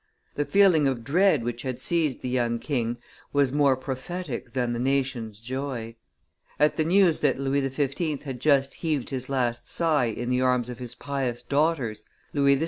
The feeling of dread which had seized the young king was more prophetic than the nation's joy. At the news that Louis XV. had just heaved his last sigh in the arms of his pious daughters, Louis XVI.